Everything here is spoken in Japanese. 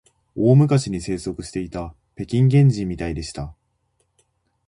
大昔に生息していた北京原人みたいでした